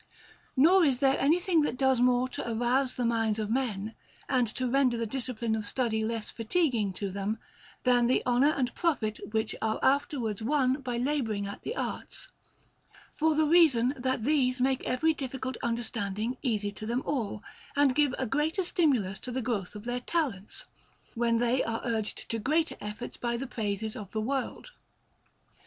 Nor is there anything that does more to arouse the minds of men, and to render the discipline of study less fatiguing to them, than the honour and profit which are afterwards won by labouring at the arts, for the reason that these make every difficult undertaking easy to them all, and give a greater stimulus to the growth of their talents, when they are urged to greater efforts by the praises of the world.